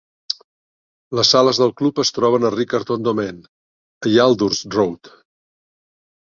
Les sales del club es troben a Riccarton Domain, a Yaldhurst Road.